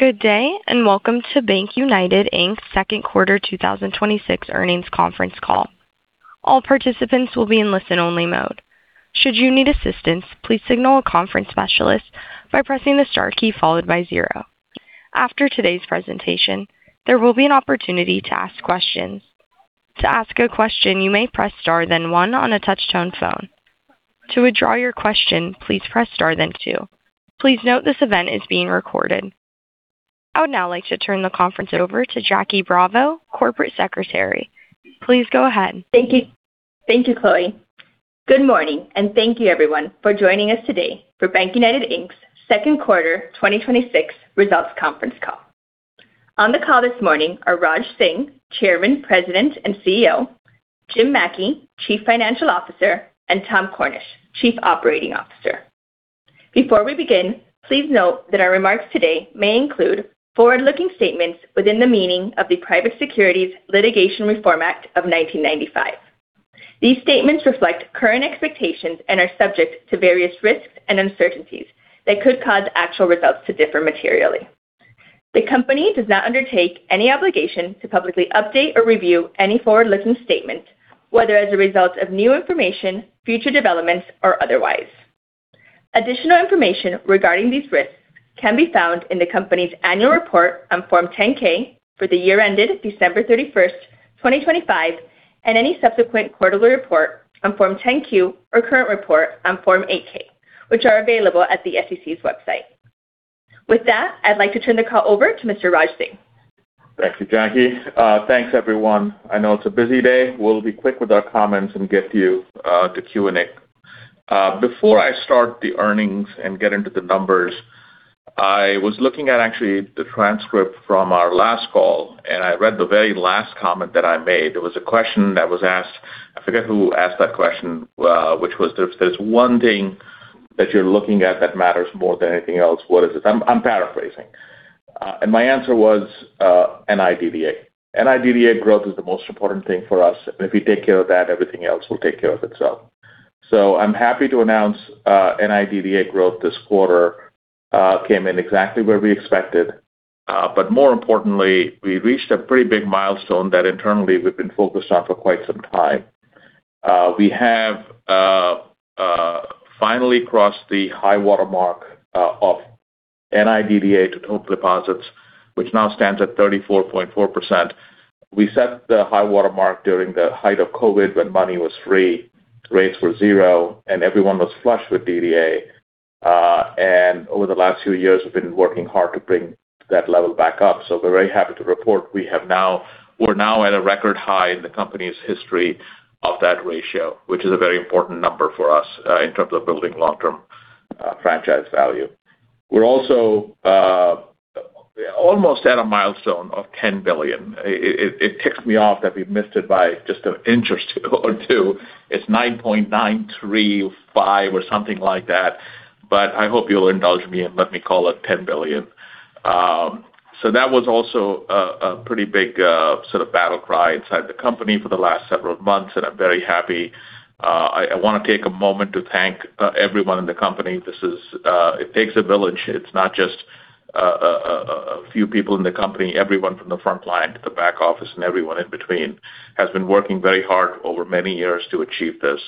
Good day, welcome to BankUnited Inc.'s second quarter 2026 earnings conference call. All participants will be in listen-only mode. Should you need assistance, please signal a conference specialist by pressing the star key followed by zero. After today's presentation, there will be an opportunity to ask questions. To ask a question, you may press star then one on a touch-tone phone. To withdraw your question, please press star then two. Please note this event is being recorded. I would now like to turn the conference over to Jacqueline Bravo, Corporate Secretary. Please go ahead. Thank you, Chloe. Good morning, thank you everyone for joining us today for BankUnited Inc.'s second quarter 2026 results conference call. On the call this morning are Raj Singh, Chairman, President, and CEO, Jim Mackey, Chief Financial Officer, and Tom Cornish, Chief Operating Officer. Before we begin, please note that our remarks today may include forward-looking statements within the meaning of the Private Securities Litigation Reform Act of 1995. These statements reflect current expectations and are subject to various risks and uncertainties that could cause actual results to differ materially. The company does not undertake any obligation to publicly update or review any forward-looking statement, whether as a result of new information, future developments, or otherwise. Additional information regarding these risks can be found in the company's annual report on Form 10-K for the year ended December 31st, 2025, and any subsequent quarterly report on Form 10-Q or current report on Form 8-K, which are available at the SEC's website. With that, I'd like to turn the call over to Mr. Raj Singh. Thank you, Jackie. Thanks, everyone. I know it's a busy day. We'll be quick with our comments and get to you to Q&A. Before I start the earnings and get into the numbers, I was looking at actually the transcript from our last call, and I read the very last comment that I made. There was a question that was asked, I forget who asked that question, which was if there's one thing that you're looking at that matters more than anything else, what is it? I'm paraphrasing. My answer was NIDDA. NIDDA growth is the most important thing for us. If we take care of that, everything else will take care of itself. I'm happy to announce NIDDA growth this quarter came in exactly where we expected. More importantly, we reached a pretty big milestone that internally we've been focused on for quite some time. We have finally crossed the high-water mark of NIDDA to total deposits, which now stands at 34.4%. We set the high-water mark during the height of COVID when money was free, rates were zero, and everyone was flush with DDA. Over the last few years, we've been working hard to bring that level back up. We're very happy to report we're now at a record high in the company's history of that ratio, which is a very important number for us in terms of building long-term franchise value. We're also almost at a milestone of $10 billion. It ticks me off that we've missed it by just an inch or two. It's $9.935 billion or something like that, but I hope you'll indulge me and let me call it $10 billion. That was also a pretty big sort of battle cry inside the company for the last several months, and I'm very happy. I want to take a moment to thank everyone in the company. It takes a village. It's not just a few people in the company. Everyone from the front line to the back office and everyone in between has been working very hard over many years to achieve this.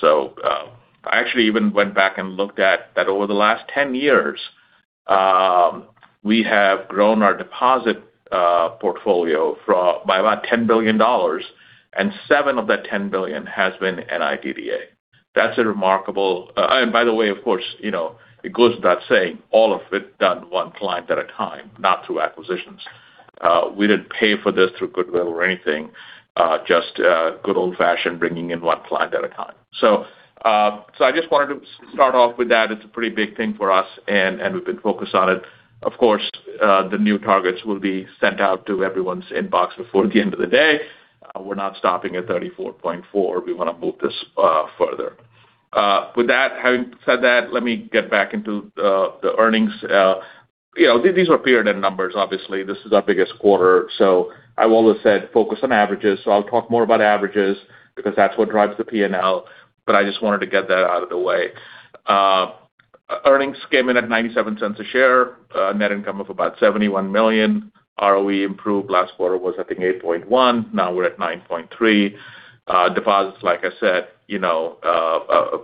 I actually even went back and looked at that over the last 10 years, we have grown our deposit portfolio by about $10 billion, and $7 billion of that $10 billion has been NIDDA. That's a remarkable, and by the way, of course, it goes without saying all of it done one client at a time, not through acquisitions. We didn't pay for this through goodwill or anything, just good old-fashioned bringing in one client at a time. I just wanted to start off with that. It's a pretty big thing for us, and we've been focused on it. Of course, the new targets will be sent out to everyone's inbox before the end of the day. We're not stopping at 34.4%. We want to move this further. With that, having said that, let me get back into the earnings. These are period-end numbers. Obviously, this is our biggest quarter. I've always said focus on averages. I'll talk more about averages because that's what drives the P&L. I just wanted to get that out of the way. Earnings came in at $0.97 a share, net income of about $71 million. ROE improved. Last quarter was, I think, 8.1%. Now we're at 9.3%. Deposits, like I said, a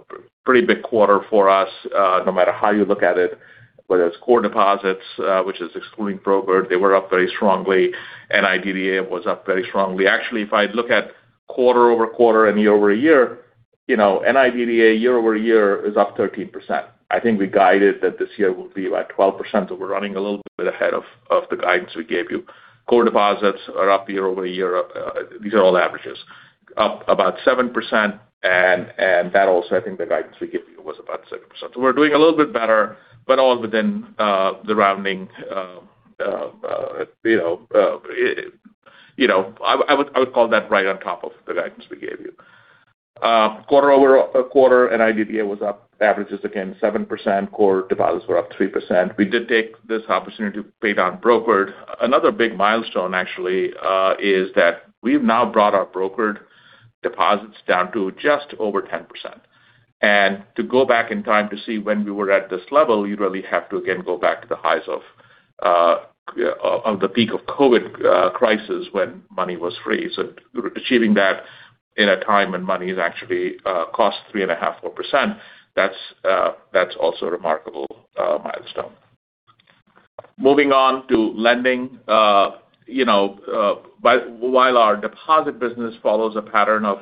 pretty big quarter for us no matter how you look at it. Whether it's core deposits which is excluding broker, they were up very strongly. NIDDA was up very strongly. Actually, if I look at quarter-over-quarter and year-over-year, NIDDA year-over-year is up 13%. I think we guided that this year will be like 12%, we're running a little bit ahead of the guidance we gave you. Core deposits are up year-over-year. These are all averages. Up about 7%, and that also, I think the guidance we give you was about 7%. We're doing a little bit better, but all within the rounding. I would call that right on top of the guidance we gave you. Quarter-over-quarter, NIDDA was up averages again 7%. Core deposits were up 3%. We did take this opportunity to pay down brokered. Another big milestone actually is that we've now brought our brokered deposits down to just over 10%. To go back in time to see when we were at this level, you'd really have to, again, go back to the highs of the peak of COVID crisis when money was free. Achieving that in a time when money actually costs 3.5%, 4%, that's also a remarkable milestone. Moving on to lending. While our deposit business follows a pattern of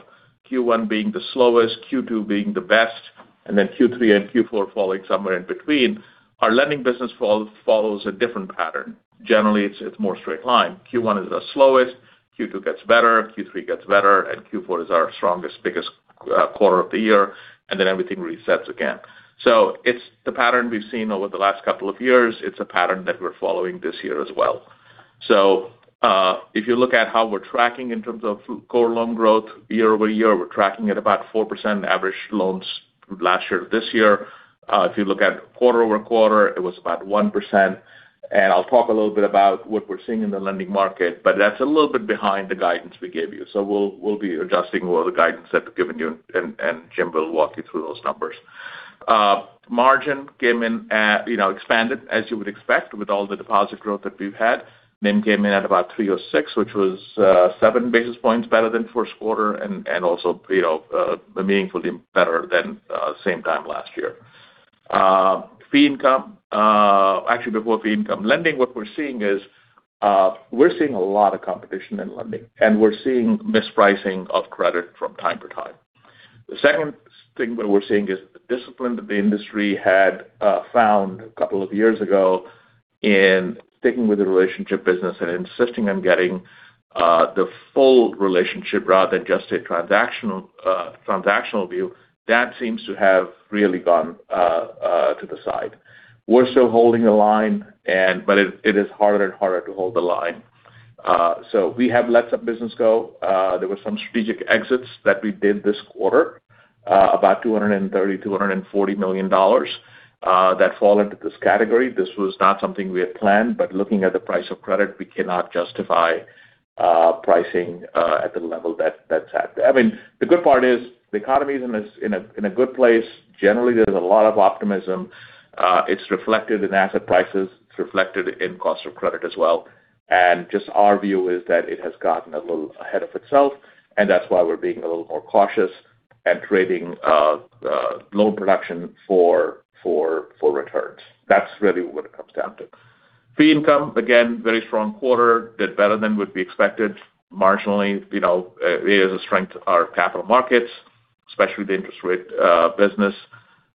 Q1 being the slowest, Q2 being the best, and then Q3 and Q4 falling somewhere in between, our lending business follows a different pattern. Generally, it's more straight line. Q1 is the slowest, Q2 gets better, Q3 gets better, and Q4 is our strongest, biggest quarter of the year, and then everything resets again. It's the pattern we've seen over the last couple of years. It's a pattern that we're following this year as well. If you look at how we're tracking in terms of core loan growth year-over-year, we're tracking at about 4% average loans from last year to this year. If you look at quarter-over-quarter, it was about 1%. I'll talk a little bit about what we're seeing in the lending market, but that's a little bit behind the guidance we gave you. We'll be adjusting all the guidance that we've given you, and Jim will walk you through those numbers. Margin expanded as you would expect with all the deposit growth that we've had. NIM came in at about 3.06%, which was seven basis points better than first quarter and also meaningfully better than same time last year. Actually, before fee income. Lending, what we're seeing is we're seeing a lot of competition in lending, and we're seeing mispricing of credit from time to time. The second thing that we're seeing is the discipline that the industry had found a couple of years ago in sticking with the relationship business and insisting on getting the full relationship rather than just a transactional view. That seems to have really gone to the side. We're still holding the line, but it is harder and harder to hold the line. We have let some business go. There were some strategic exits that we did this quarter, about $230 million, $240 million that fall into this category. This was not something we had planned, but looking at the price of credit, we cannot justify pricing at the level that that's at. The good part is the economy is in a good place. Generally, there's a lot of optimism. It's reflected in asset prices. It's reflected in cost of credit as well. Just our view is that it has gotten a little ahead of itself, and that's why we're being a little more cautious at trading loan production for returns. That's really what it comes down to. Fee income, again, very strong quarter. Did better than would be expected marginally. It is a strength to our capital markets, especially the interest rate business.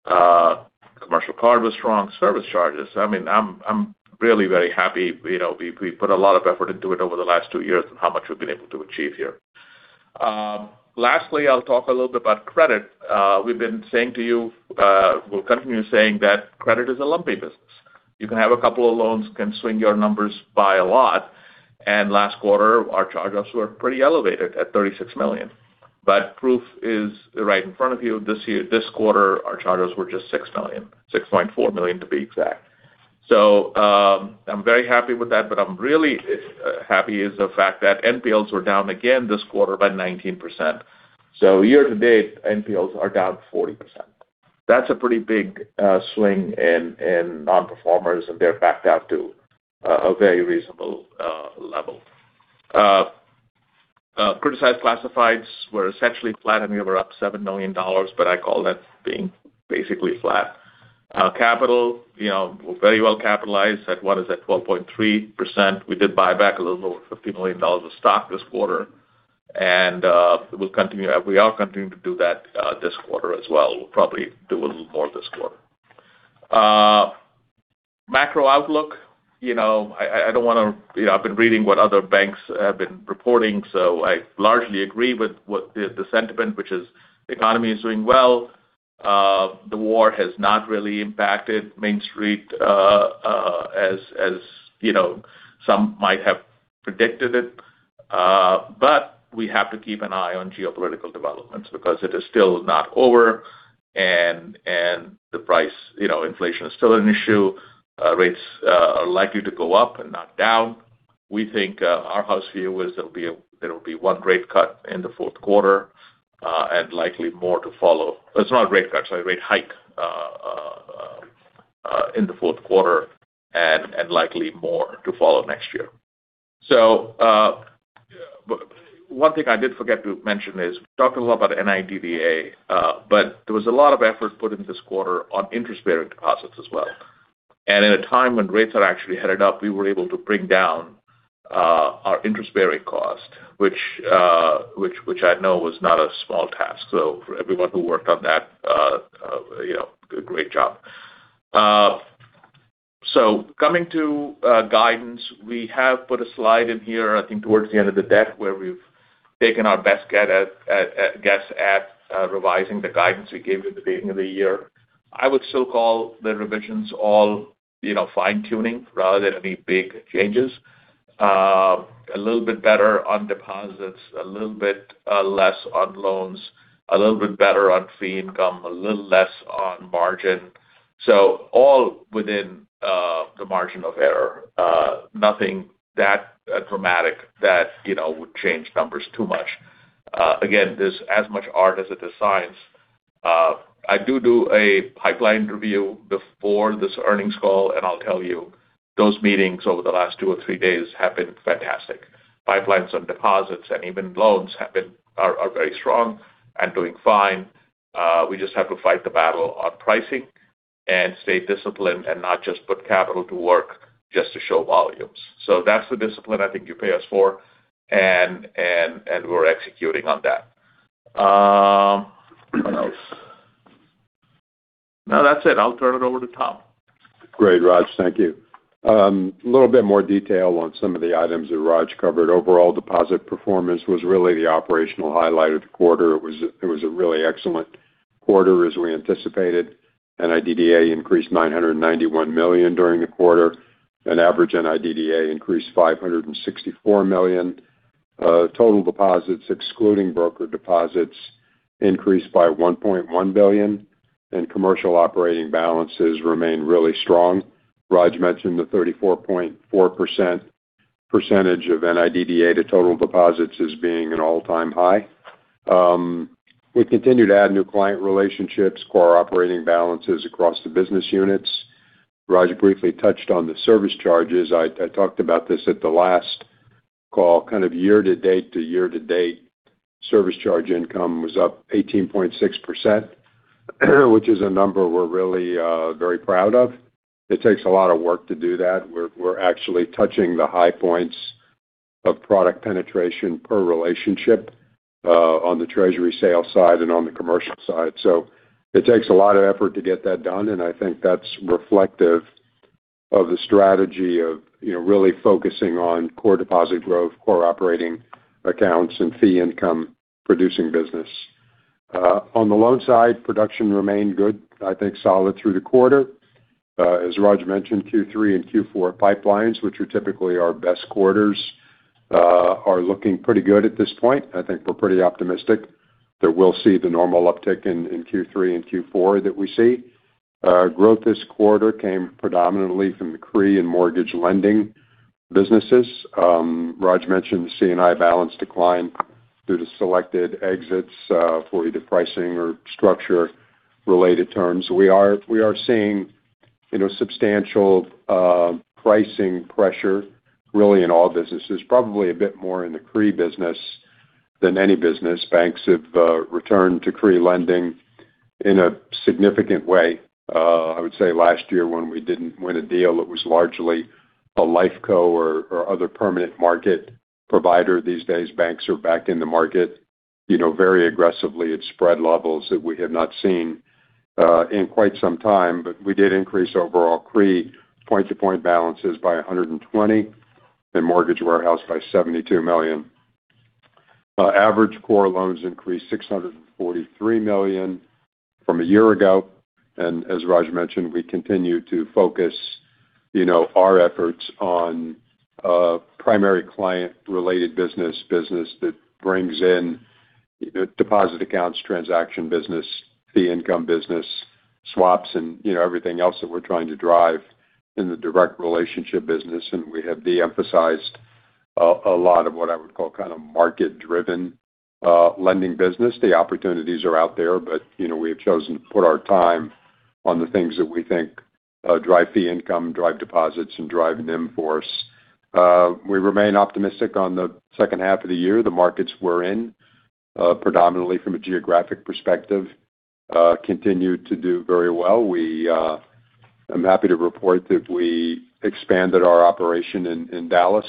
Commercial card was strong. Service charges. I'm really very happy. We put a lot of effort into it over the last two years and how much we've been able to achieve here. Lastly, I'll talk a little bit about credit. We've been saying to you, we'll continue saying that credit is a lumpy business. You can have a couple of loans, can swing your numbers by a lot, last quarter, our charge-offs were pretty elevated at $36 million. Proof is right in front of you. This quarter, our charge-offs were just $6 million, $6.4 million to be exact. I'm very happy with that, but I'm really happy is the fact that NPLs were down again this quarter by 19%. Year to date, NPLs are down 40%. That's a pretty big swing in non-performers, and they're back down to a very reasonable level. Criticized classifieds were essentially flat. I mean, we were up $7 million, but I call that being basically flat. Capital, we're very well capitalized at what is at 12.3%. We did buy back a little over $50 million of stock this quarter. We are continuing to do that this quarter as well. We'll probably do a little more this quarter. Macro outlook. I've been reading what other banks have been reporting, I largely agree with the sentiment, which is the economy is doing well. The war has not really impacted Main Street as some might have predicted it. We have to keep an eye on geopolitical developments because it is still not over, and the price inflation is still an issue. Rates are likely to go up and not down. Our house view is there'll be one rate cut in the fourth quarter and likely more to follow. It's not a rate cut, sorry, rate hike in the fourth quarter, and likely more to follow next year. One thing I did forget to mention is we talked a lot about NIDDA, but there was a lot of effort put in this quarter on interest-bearing deposits as well. In a time when rates are actually headed up, we were able to bring down our interest bearing cost, which I know was not a small task. For everyone who worked on that, great job. Coming to guidance, we have put a slide in here, I think towards the end of the deck, where we've taken our best guess at revising the guidance we gave you at the beginning of the year. I would still call the revisions all fine-tuning rather than any big changes. A little bit better on deposits, a little bit less on loans, a little bit better on fee income, a little less on margin. All within the margin of error. Nothing that dramatic that would change numbers too much. Again, there's as much art as it is science. I do a pipeline review before this earnings call, and I'll tell you, those meetings over the last two or three days have been fantastic. Pipelines and deposits and even loans are very strong and doing fine. We just have to fight the battle on pricing and stay disciplined and not just put capital to work just to show volumes. That's the discipline I think you pay us for, and we're executing on that. What else? No, that's it. I'll turn it over to Tom. Great, Raj. Thank you. A little bit more detail on some of the items that Raj covered. Overall deposit performance was really the operational highlight of the quarter. It was a really excellent quarter as we anticipated. NIDDA increased $991 million during the quarter, and average NIDDA increased $564 million. Total deposits, excluding broker deposits, increased by $1.1 billion, and commercial operating balances remain really strong. Raj mentioned the 34.4% of NIDDA to total deposits as being an all-time high. We continue to add new client relationships, core operating balances across the business units. Raj briefly touched on the service charges. I talked about this at the last call. Kind of year-to-date to year-to-date service charge income was up 18.6%, which is a number we're really very proud of. It takes a lot of work to do that. We're actually touching the high points of product penetration per relationship on the treasury sales side and on the commercial side. It takes a lot of effort to get that done, and I think that's reflective of the strategy of really focusing on core deposit growth, core operating accounts, and fee income producing business. On the loan side, production remained good, I think solid through the quarter. As Raj mentioned, Q3 and Q4 pipelines, which are typically our best quarters, are looking pretty good at this point. I think we're pretty optimistic that we'll see the normal uptick in Q3 and Q4 that we see. Growth this quarter came predominantly from the CRE and mortgage lending businesses. Raj mentioned the C&I balance decline due to selected exits for either pricing or structure-related terms. We are seeing substantial pricing pressure really in all businesses, probably a bit more in the CRE business than any business. Banks have returned to CRE lending in a significant way. I would say last year when we didn't win a deal, it was largely a Life Co or other permanent market provider. These days, banks are back in the market very aggressively at spread levels that we have not seen in quite some time. We did increase overall CRE point-to-point balances by $120 million and mortgage warehouse by $72 million. Average core loans increased $643 million from a year ago. As Raj mentioned, we continue to focus our efforts on primary client-related business that brings in deposit accounts, transaction business, fee income business, swaps, and everything else that we're trying to drive in the direct relationship business. We have de-emphasized a lot of what I would call kind of market-driven lending business. The opportunities are out there, we have chosen to put our time on the things that we think drive fee income, drive deposits, and drive NIM for us. We remain optimistic on the second half of the year. The markets we're in predominantly from a geographic perspective continue to do very well. I'm happy to report that we expanded our operation in Dallas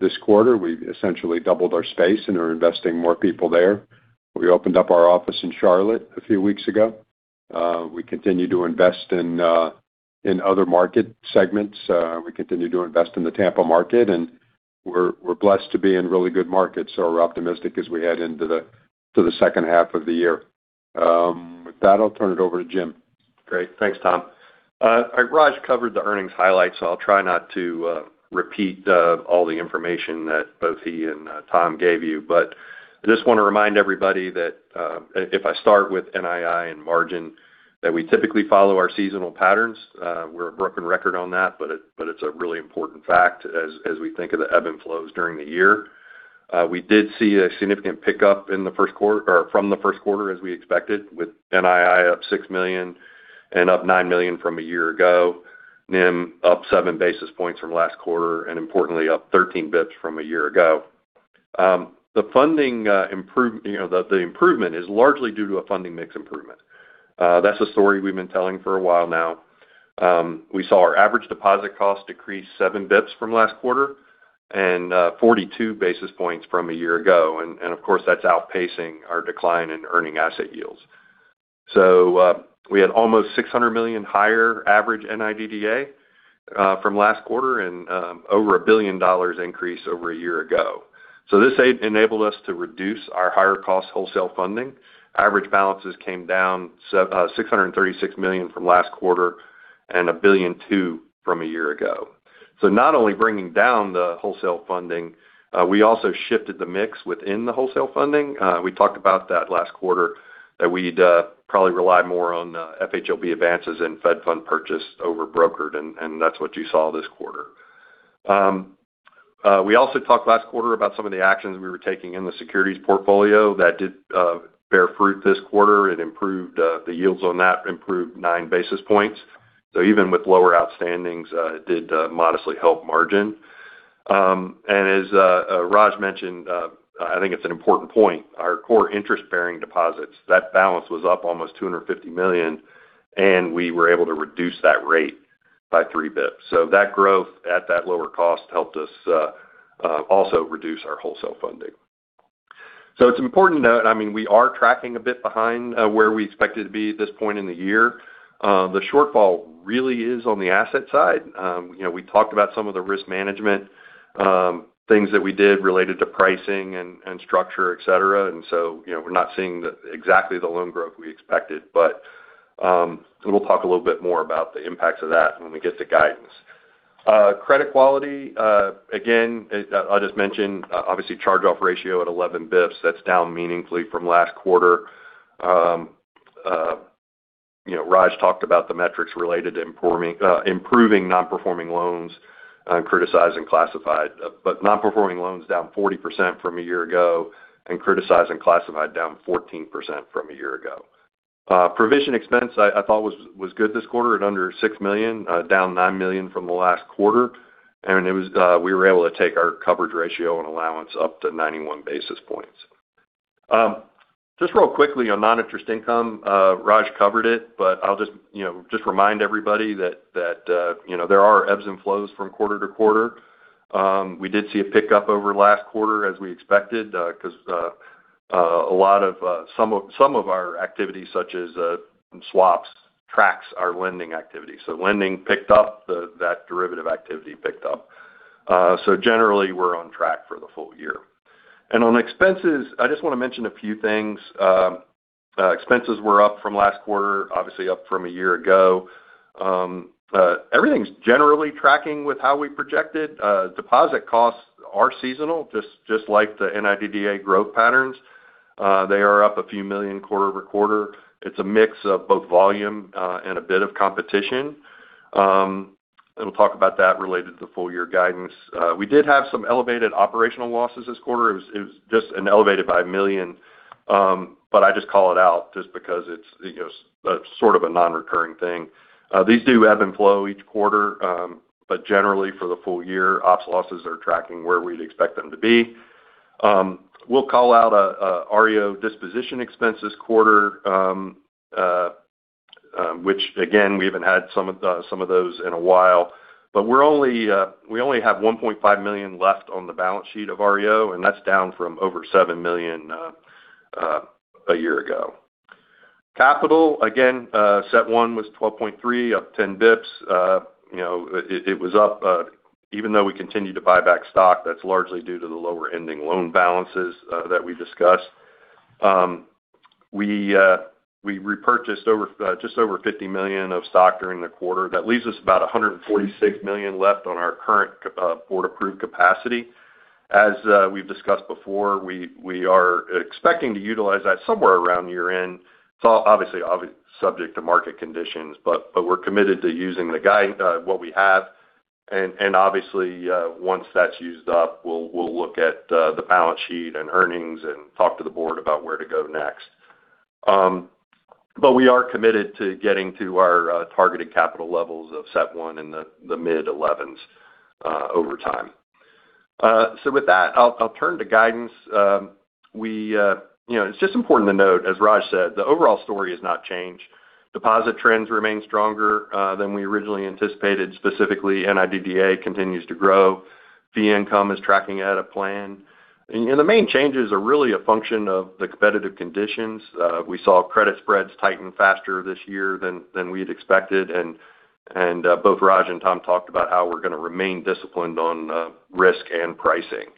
this quarter. We essentially doubled our space and are investing more people there. We opened up our office in Charlotte a few weeks ago. We continue to invest in other market segments. We continue to invest in the Tampa market, we're blessed to be in really good markets, we're optimistic as we head into the second half of the year. With that, I'll turn it over to Jim. Great. Thanks, Tom. Raj covered the earnings highlights. I'll try not to repeat all the information that both he and Tom gave you. I just want to remind everybody that if I start with NII and margin, that we typically follow our seasonal patterns. We're a broken record on that, but it's a really important fact as we think of the ebb and flows during the year. We did see a significant pickup from the first quarter as we expected, with NII up $6 million and up $9 million from a year ago. NIM up seven basis points from last quarter, and importantly up 13 basis points from a year ago. The improvement is largely due to a funding mix improvement. That's a story we've been telling for a while now. We saw our average deposit cost decrease seven basis points from last quarter and 42 basis points from a year ago. Of course, that's outpacing our decline in earning asset yields. We had almost $600 million higher average NIDDA from last quarter and over $1 billion increase over a year ago. This enabled us to reduce our higher cost wholesale funding. Average balances came down $636 million from last quarter. $1.2 billion from a year ago. Not only bringing down the wholesale funding, we also shifted the mix within the wholesale funding. We talked about that last quarter, that we'd probably rely more on FHLB advances and Fed fund purchase over brokered, and that's what you saw this quarter. We also talked last quarter about some of the actions we were taking in the securities portfolio that did bear fruit this quarter. It improved the yields on that, improved nine basis points. Even with lower outstandings, it did modestly help margin. As Raj mentioned, I think it's an important point, our core interest-bearing deposits, that balance was up almost $250 million, and we were able to reduce that rate by three basis points. That growth at that lower cost helped us also reduce our wholesale funding. It's important to note, we are tracking a bit behind where we expected to be at this point in the year. The shortfall really is on the asset side. We talked about some of the risk management things that we did related to pricing and structure, et cetera. We're not seeing exactly the loan growth we expected. We'll talk a little bit more about the impacts of that when we get to guidance. Credit quality, again, I'll just mention, obviously, charge-off ratio at 11 basis points, that's down meaningfully from last quarter. Raj talked about the metrics related to improving non-performing loans, criticized and classified. Non-performing loans down 40% from a year ago, and criticized and classified down 14% from a year ago. Provision expense, I thought, was good this quarter at under $6 million, down $9 million from the last quarter. We were able to take our coverage ratio and allowance up to 91 basis points. Just real quickly on non-interest income, Raj covered it. I'll just remind everybody that there are ebbs and flows from quarter to quarter. We did see a pickup over last quarter as we expected, because some of our activities, such as swaps, tracks our lending activity. Lending picked up, that derivative activity picked up. Generally, we're on track for the full year. On expenses, I just want to mention a few things. Expenses were up from last quarter, obviously up from a year ago. Everything's generally tracking with how we projected. Deposit costs are seasonal, just like the NIDDA growth patterns. They are up a few million quarter-over-quarter. It's a mix of both volume and a bit of competition. We'll talk about that related to full-year guidance. We did have some elevated operational losses this quarter. It was just elevated by a million. I just call it out just because it's sort of a non-recurring thing. These do ebb and flow each quarter. Generally, for the full year, ops losses are tracking where we'd expect them to be. We'll call out REO disposition expense this quarter, which again, we haven't had some of those in a while. We only have $1.5 million left on the balance sheet of REO, and that's down from over $7 million a year ago. Capital, again, CET1 was 12.3%, up 10 basis points. It was up even though we continued to buy back stock. That's largely due to the lower ending loan balances that we discussed. We repurchased just over $50 million of stock during the quarter. That leaves us about $146 million left on our current board-approved capacity. As we've discussed before, we are expecting to utilize that somewhere around year-end. It's obviously subject to market conditions, but we're committed to using what we have. Obviously, once that's used up, we'll look at the balance sheet and earnings and talk to the board about where to go next. We are committed to getting to our targeted capital levels of CET1 in the mid-11% over time. With that, I'll turn to guidance. It's just important to note, as Raj said, the overall story has not changed. Deposit trends remain stronger than we originally anticipated. Specifically, NIDDA continues to grow. Fee income is tracking to plan. The main changes are really a function of the competitive conditions. We saw credit spreads tighten faster this year than we had expected. Both Raj and Tom talked about how we're going to remain disciplined on risk and pricing.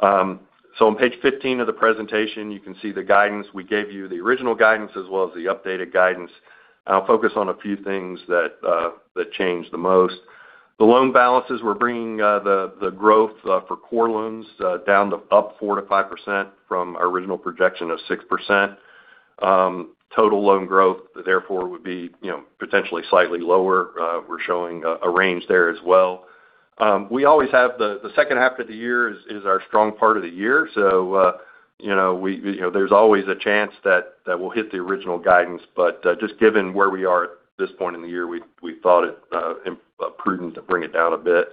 On page 15 of the presentation, you can see the guidance. We gave you the original guidance as well as the updated guidance. I'll focus on a few things that changed the most. The loan balances, we're bringing the growth for core loans down to 4%-5% from our original projection of 6%. Total loan growth, therefore, would be potentially slightly lower. We're showing a range there as well. The second half of the year is our strong part of the year, so there's always a chance that we'll hit the original guidance. Just given where we are at this point in the year, we thought it prudent to bring it down a bit.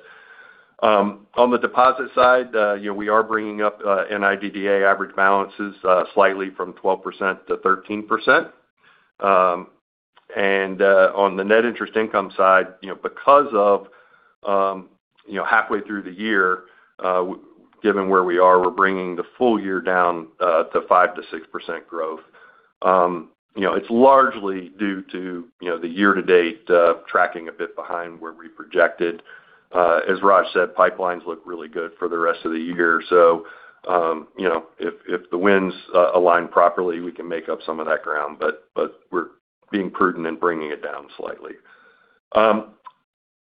On the deposit side, we are bringing up NIDDA average balances slightly from 12%-13%. On the net interest income side, because of halfway through the year, given where we are, we're bringing the full-year down to 5%-6% growth. It's largely due to the year-to-date tracking a bit behind where we projected. As Raj said, pipelines look really good for the rest of the year. If the winds align properly, we can make up some of that ground. We're being prudent and bringing it down slightly.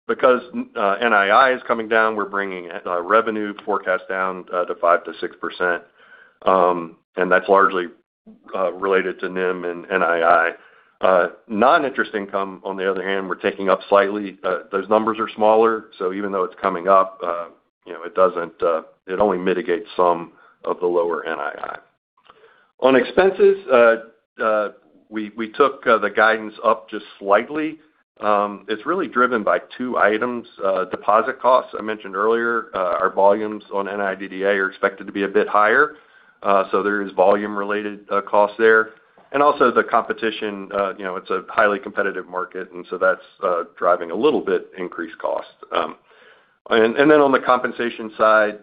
Because NII is coming down, we're bringing revenue forecast down to 5%-6%, and that's largely related to NIM and NII. Non-interest income, on the other hand, we're taking up slightly. Those numbers are smaller, so even though it's coming up, it only mitigates some of the lower NII. On expenses, we took the guidance up just slightly. It's really driven by two items. Deposit costs, I mentioned earlier. Our volumes on NIDDA are expected to be a bit higher. There is volume-related costs there. Also the competition. It's a highly competitive market. That's driving a little bit increased cost. On the compensation side,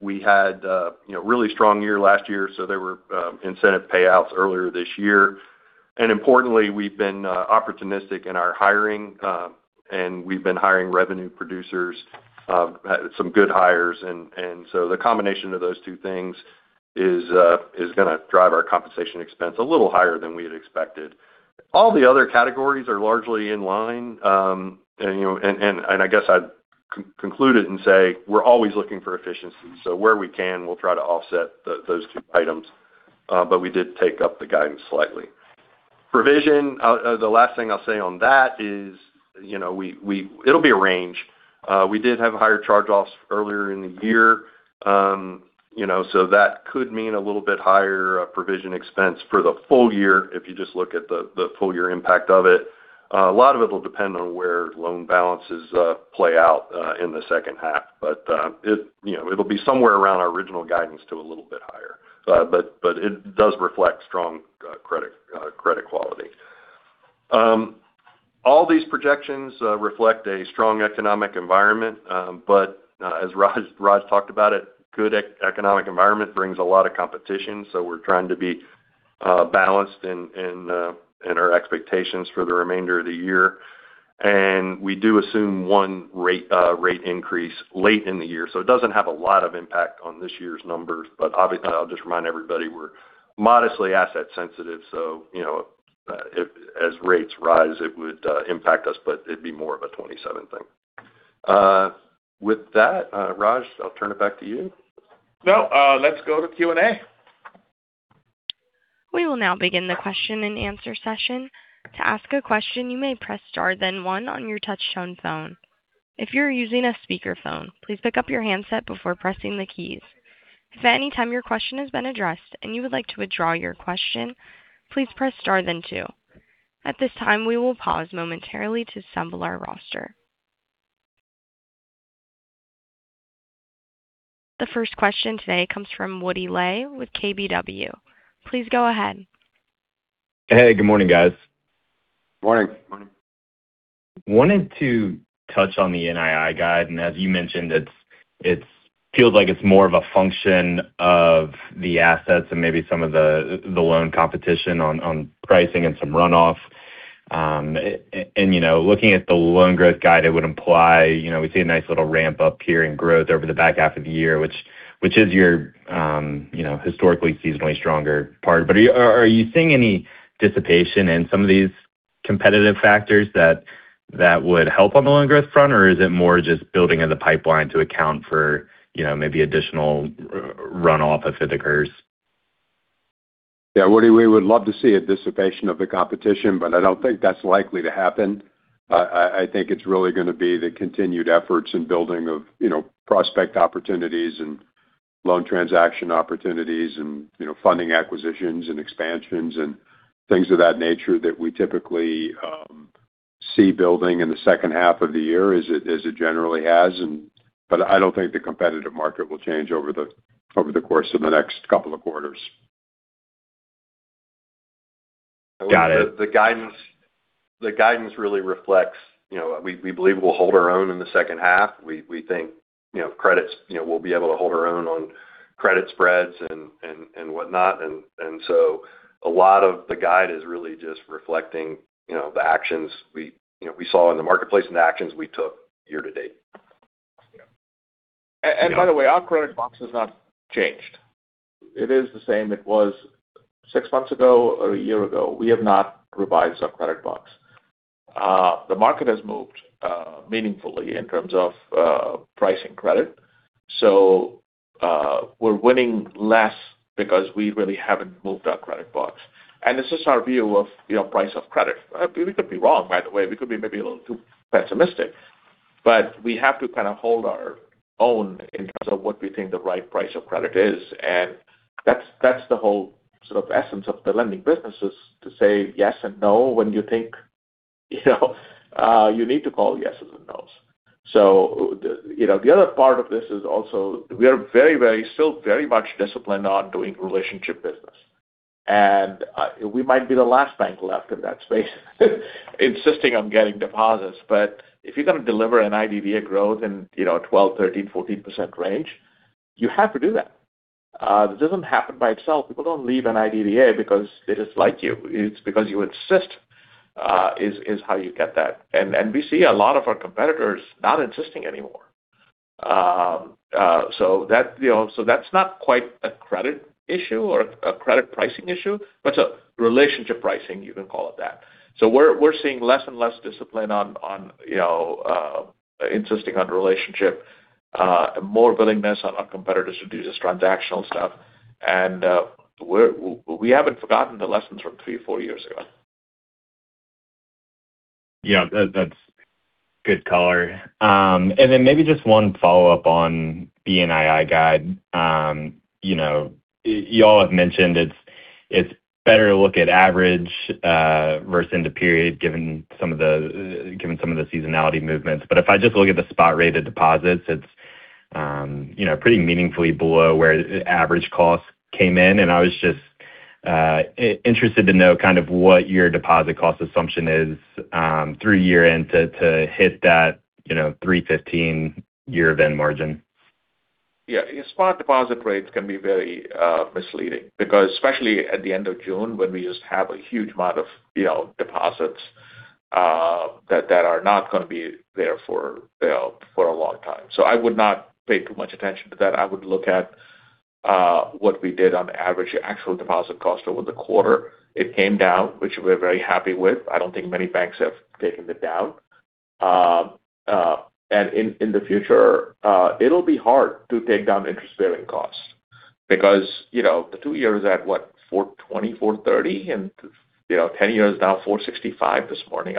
we had a really strong year last year, so there were incentive payouts earlier this year. Importantly, we've been opportunistic in our hiring, and we've been hiring revenue producers, some good hires. The combination of those two things is going to drive our compensation expense a little higher than we had expected. All the other categories are largely in line. I guess I'd conclude it and say we're always looking for efficiencies. Where we can, we'll try to offset those two items. We did take up the guidance slightly. Provision, the last thing I'll say on that is it'll be a range. We did have higher charge-offs earlier in the year. That could mean a little bit higher provision expense for the full year if you just look at the full year impact of it. A lot of it will depend on where loan balances play out in the second half. It'll be somewhere around our original guidance to a little bit higher. It does reflect strong credit quality. All these projections reflect a strong economic environment. As Raj talked about it, good economic environment brings a lot of competition, so we're trying to be balanced in our expectations for the remainder of the year. We do assume one rate increase late in the year. It doesn't have a lot of impact on this year's numbers. Obviously, I'll just remind everybody, we're modestly asset sensitive, so as rates rise, it would impact us, but it'd be more of a 2027 thing. With that, Raj, I'll turn it back to you. Now, let's go to Q&A. We will now begin the question and answer session. To ask a question, you may press star then one on your touchtone phone. If you're using a speakerphone, please pick up your handset before pressing the keys. If at any time your question has been addressed and you would like to withdraw your question, please press star then two. At this time, we will pause momentarily to assemble our roster. The first question today comes from Woody Lay with KBW. Please go ahead. Hey, good morning, guys. Morning. Morning. Wanted to touch on the NII guide. As you mentioned, it feels like it's more of a function of the assets and maybe some of the loan competition on pricing and some runoff. Looking at the loan growth guide, it would imply we see a nice little ramp up here in growth over the back half of the year, which is your historically seasonally stronger part. Are you seeing any dissipation in some of these competitive factors that would help on the loan growth front, or is it more just building in the pipeline to account for maybe additional runoff if it occurs? Woody, we would love to see a dissipation of the competition. I don't think that's likely to happen. I think it's really going to be the continued efforts in building of prospect opportunities and loan transaction opportunities and funding acquisitions and expansions and things of that nature that we typically see building in the second half of the year, as it generally has. I don't think the competitive market will change over the course of the next couple of quarters. Got it. The guidance really reflects we believe we'll hold our own in the second half. We think we'll be able to hold our own on credit spreads and whatnot. A lot of the guide is really just reflecting the actions we saw in the marketplace and the actions we took year to date. By the way, our credit box has not changed. It is the same it was six months ago or a year ago. We have not revised our credit box. The market has moved meaningfully in terms of pricing credit. We're winning less because we really haven't moved our credit box. This is our view of price of credit. We could be wrong, by the way. We could be maybe a little too pessimistic. We have to kind of hold our own in terms of what we think the right price of credit is. That's the whole sort of essence of the lending business is to say yes and no when you think you need to call yeses and nos. The other part of this is also we are still very much disciplined on doing relationship business. We might be the last bank left in that space insisting on getting deposits. If you're going to deliver NIDDA growth in 12%, 13%, 14% range, you have to do that. This doesn't happen by itself. People don't leave a NIDDA because they dislike you. It's because you insist, is how you get that. We see a lot of our competitors not insisting anymore. That's not quite a credit issue or a credit pricing issue, but it's a relationship pricing, you can call it that. We're seeing less and less discipline on insisting on relationship, more willingness on our competitors to do just transactional stuff. We haven't forgotten the lessons from three or four years ago. Yeah. That's good color. Then maybe just one follow-up on NII guide. You all have mentioned it's better to look at average versus period-end, given some of the seasonality movements. If I just look at the spot rate of deposits, it's pretty meaningfully below where average cost came in, and I was just interested to know kind of what your deposit cost assumption is through year-end to hit that 3.15% year-end margin. Yeah. Spot deposit rates can be very misleading because, especially at the end of June when we just have a huge amount of deposits that are not going to be there for a long time. I would not pay too much attention to that. I would look at what we did on average actual deposit cost over the quarter. It came down, which we're very happy with. I don't think many banks have taken it down. In the future it'll be hard to take down interest-bearing costs because the two-year is at what? 4.20%–4.30%, and 10-year is now 4.65% this morning.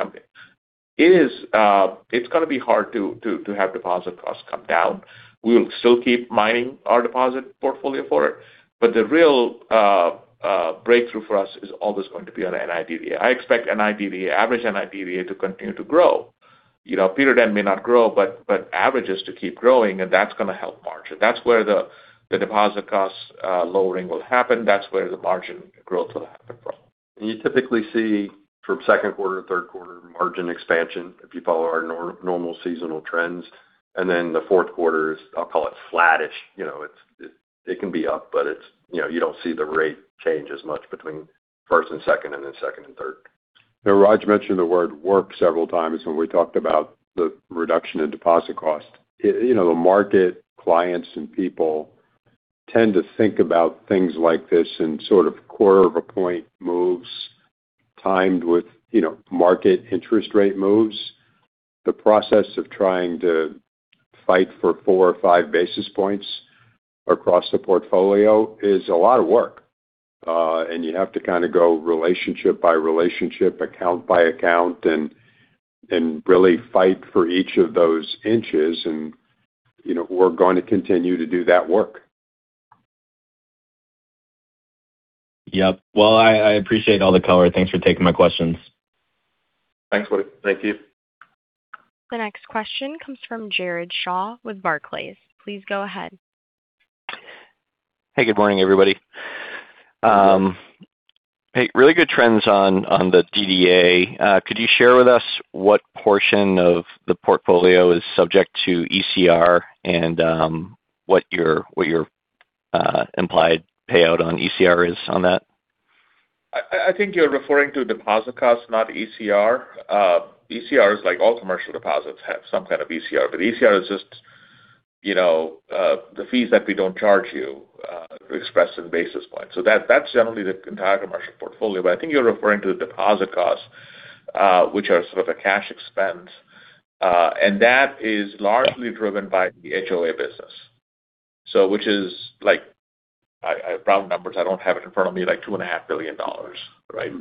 It's going to be hard to have deposit costs come down. We'll still keep mining our deposit portfolio for it, but the real breakthrough for us is always going to be on NIDDA. I expect average NIDDA to continue to grow. Period end may not grow, averages to keep growing, and that's going to help margin. That's where the deposit costs lowering will happen. That's where the margin growth will happen from. You typically see from second quarter to third quarter margin expansion if you follow our normal seasonal trends, and then the fourth quarter is, I'll call it flattish. It can be up, but you don't see the rate change as much between first and second, and then second and third. Raj mentioned the word work several times when we talked about the reduction in deposit cost. The market clients and people tend to think about things like this in sort of quarter of a point moves timed with market interest rate moves. The process of trying to fight for four or five basis points across the portfolio is a lot of work. You have to kind of go relationship by relationship, account by account, and really fight for each of those inches and we're going to continue to do that work. Yep. Well, I appreciate all the color. Thanks for taking my questions. Thanks, Woody. Thank you. The next question comes from Jared Shaw with Barclays. Please go ahead. Hey, good morning, everybody. Good morning. Hey, really good trends on the DDA. Could you share with us what portion of the portfolio is subject to ECR and what your implied payout on ECR is on that? I think you're referring to deposit costs, not ECR. ECRs, like all commercial deposits, have some kind of ECR, but ECR is just the fees that we don't charge you expressed in basis points. That's generally the entire commercial portfolio. I think you're referring to the deposit costs which are sort of a cash expense. That is largely driven by the HOA business. Which is like, I have round numbers, I don't have it in front of me, like $2.5 billion, right?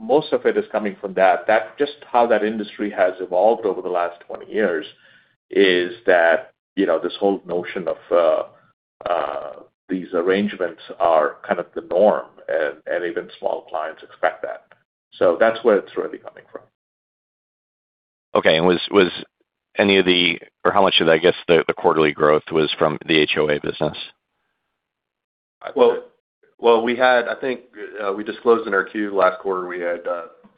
Most of it is coming from that. Just how that industry has evolved over the last 20 years is that this whole notion of these arrangements are kind of the norm, and even small clients expect that. That's where it's really coming from. Okay. How much of that, I guess, the quarterly growth was from the HOA business? We had I think we disclosed in our Q last quarter, we had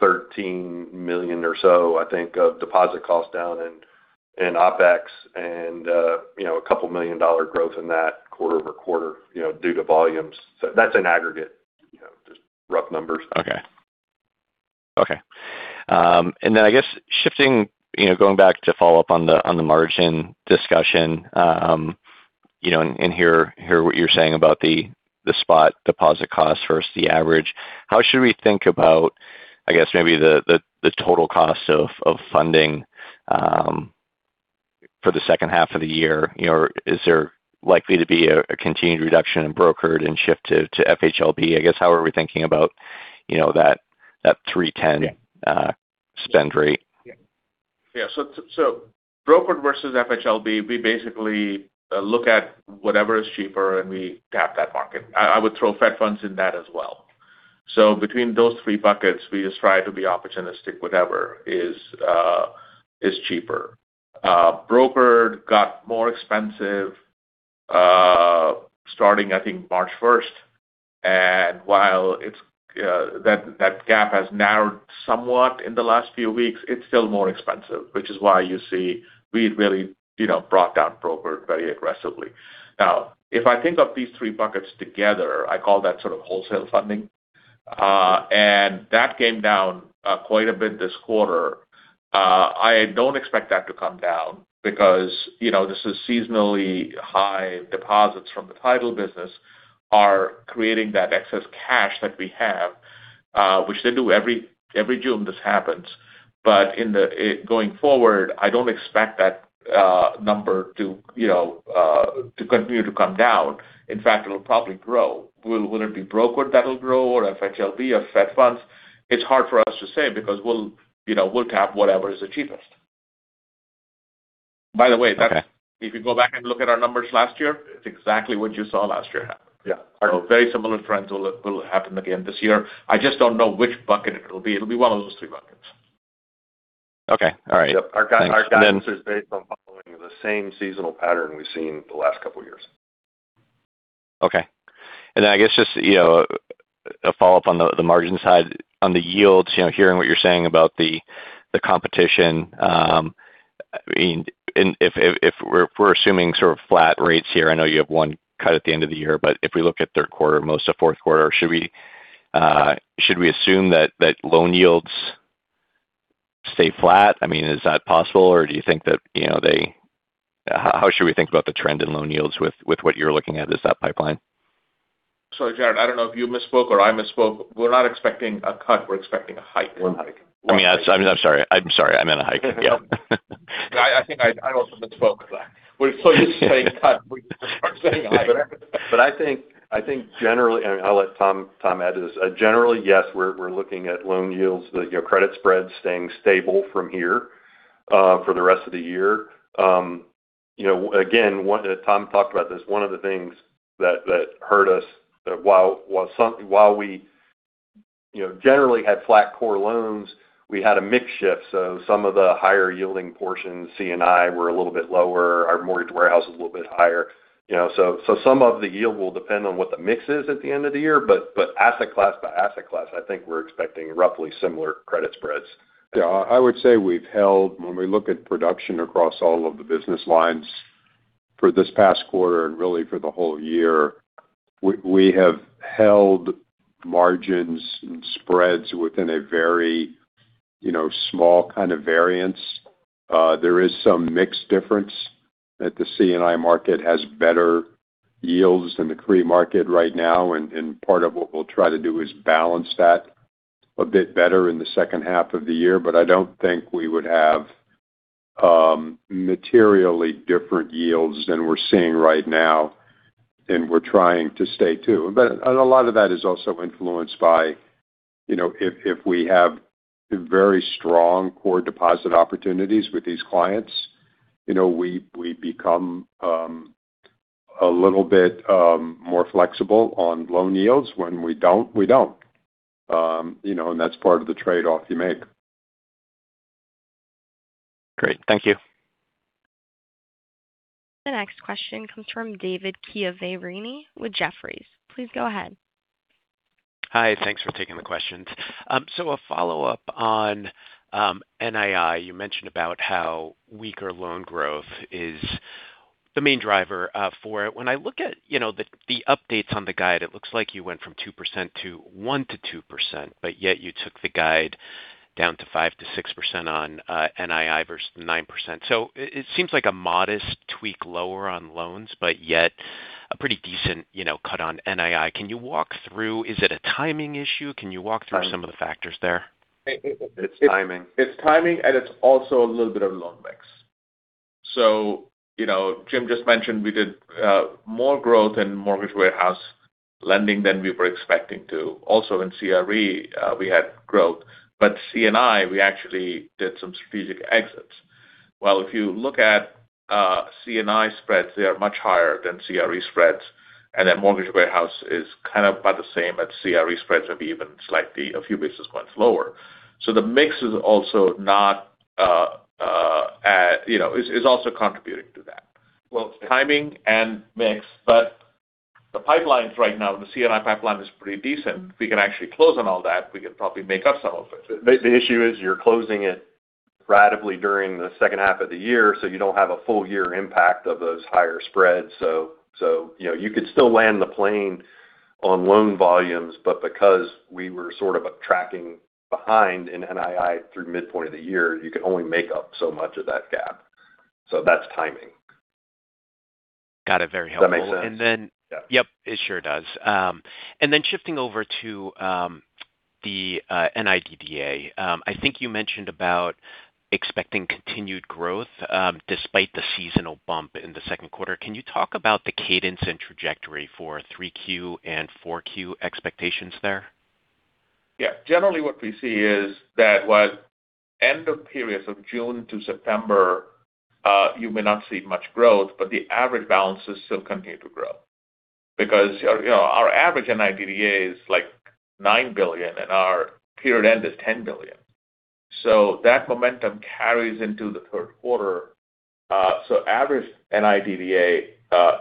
$13 million or so I think of deposit costs down and OpEx and a couple million dollar growth in that quarter-over-quarter due to volumes. That's in aggregate. Just rough numbers. Okay. I guess shifting, going back to follow up on the margin discussion, and hear what you're saying about the spot deposit cost versus the average. How should we think about, I guess maybe the total cost of funding for the second half of the year? Is there likely to be a continued reduction in brokered and shift to FHLB? I guess how are we thinking about that 3.10%? Yeah spend rate? Yeah. Brokered versus FHLB, we basically look at whatever is cheaper and we tap that market. I would throw Fed funds in that as well. Between those three buckets, we just try to be opportunistic, whatever is cheaper. Brokered got more expensive starting I think March 1st. While that gap has narrowed somewhat in the last few weeks, it's still more expensive, which is why you see we've really brought down brokered very aggressively. Now, if I think of these three buckets together, I call that sort of wholesale funding. That came down quite a bit this quarter. I don't expect that to come down because this is seasonally high deposits from the title business are creating that excess cash that we have, which they do every June this happens. Going forward, I don't expect that number to continue to come down. In fact, it'll probably grow. Will it be brokered that'll grow or FHLB or Fed funds? It's hard for us to say because we'll tap whatever is the cheapest. Okay If you go back and look at our numbers last year, it's exactly what you saw last year happen. Yeah. Very similar trends will happen again this year. I just don't know which bucket it'll be. It'll be one of those three buckets. Okay. All right. Yep. Thanks. Our guidance is based on following the same seasonal pattern we've seen the last couple of years. Okay. Then I guess just a follow-up on the margin side, on the yields, hearing what you're saying about the competition. If we're assuming sort of flat rates here, I know you have one cut at the end of the year, but if we look at third quarter, most of fourth quarter, should we assume that loan yields stay flat? I mean, is that possible or how should we think about the trend in loan yields with what you're looking at as that pipeline? Sorry, Jared, I don't know if you misspoke or I misspoke. We're not expecting a cut, we're expecting a hike. Loan hike. I mean, I'm sorry. I meant a hike. Yeah. I think I also misspoke. We're so used to saying cut, we just start saying a hike. I think generally, and I'll let Tom add to this. Generally, yes, we're looking at loan yields, credit spreads staying stable from here for the rest of the year. Again, Tom talked about this, one of the things that hurt us while we generally had flat core loans, we had a mix shift. Some of the higher yielding portions, C&I, were a little bit lower. Our mortgage warehouse was a little bit higher. Some of the yield will depend on what the mix is at the end of the year, but asset class by asset class, I think we're expecting roughly similar credit spreads. Yeah, I would say we've held, when we look at production across all of the business lines for this past quarter and really for the whole year, we have held margins and spreads within a very small kind of variance. There is some mix difference that the C&I market has better yields than the CRE market right now. Part of what we'll try to do is balance that a bit better in the second half of the year. I don't think we would have materially different yields than we're seeing right now than we're trying to stay to. A lot of that is also influenced by if we have very strong core deposit opportunities with these clients, we become a little bit more flexible on loan yields. When we don't, we don't. That's part of the trade-off you make. Great. Thank you. The next question comes from David Chiaverini with Jefferies. Please go ahead. Hi. Thanks for taking the questions. A follow-up on NII. You mentioned about how weaker loan growth is the main driver for it. When I look at the updates on the guide, it looks like you went from 2% to 1%-2%, but yet you took the guide down to 5%-6% on NII versus 9%. It seems like a modest tweak lower on loans, but yet a pretty decent cut on NII. Can you walk through, is it a timing issue? Can you walk through some of the factors there? It's timing. It's timing, and it's also a little bit of loan mix. Jim just mentioned we did more growth in mortgage warehouse lending than we were expecting to. Also in CRE we had growth, C&I, we actually did some strategic exits. If you look at C&I spreads, they are much higher than CRE spreads, and then mortgage warehouse is kind of about the same as CRE spreads or even slightly a few basis points lower. The mix is also contributing to that. It's timing and mix, the pipelines right now, the C&I pipeline is pretty decent. If we can actually close on all that, we could probably make up some of it. The issue is you're closing it ratably during the second half of the year, you don't have a full year impact of those higher spreads. You could still land the plane on loan volumes, because we were sort of tracking behind in NII through midpoint of the year, you could only make up so much of that gap. That's timing. Got it. Very helpful. Does that make sense? Yep. It sure does. Then shifting over to the NIDDA. I think you mentioned about expecting continued growth despite the seasonal bump in the second quarter. Can you talk about the cadence and trajectory for 3Q and 4Q expectations there? Generally what we see is that while end of periods of June to September you may not see much growth, the average balances still continue to grow because our average NIDDA is like $9 billion, and our period end is $10 billion. That momentum carries into the third quarter. Average NIDDA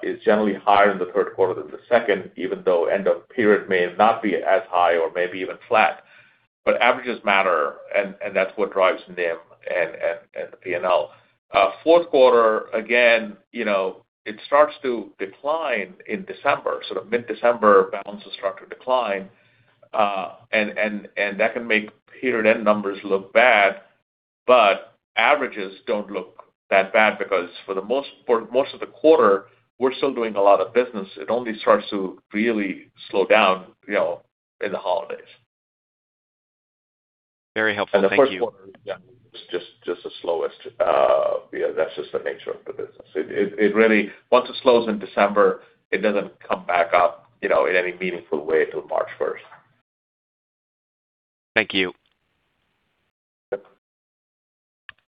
is generally higher in the third quarter than the second, even though end of period may not be as high or may be even flat. Averages matter, and that's what drives NIM and the P&L. Fourth quarter, again, it starts to decline in December, sort of mid-December, balances start to decline. That can make period-end numbers look bad. Averages don't look that bad because for most of the quarter, we're still doing a lot of business. It only starts to really slow down in the holidays. Very helpful. Thank you. The first quarter is definitely just the slowest, that's just the nature of the business. Once it slows in December, it doesn't come back up in any meaningful way till March 1st. Thank you. Yep.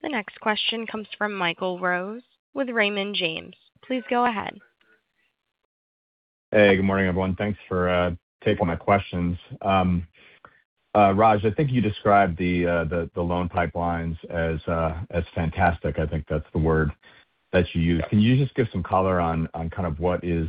The next question comes from Michael Rose with Raymond James. Please go ahead. Hey, good morning, everyone. Thanks for taking my questions. Raj, I think you described the loan pipelines as fantastic. I think that's the word that you used. Can you just give some color on kind of what is